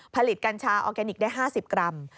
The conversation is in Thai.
กัญชาออร์แกนิคได้๕๐กรัม